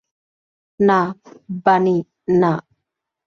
না, বানি, না!